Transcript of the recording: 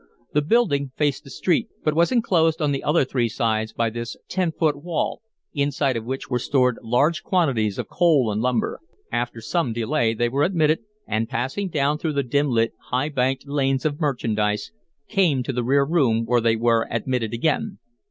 The building faced the street, but was enclosed on the other three sides by this ten foot wall, inside of which were stored large quantities of coal and lumber. After some delay they were admitted, and, passing down through the dim lit, high banked lanes of merchandise, came to the rear room, where they were admitted again.